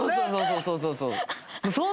そうそうそうそう。